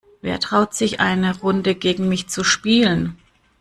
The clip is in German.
Wer traut sich, eine Runde gegen mich zu spielen?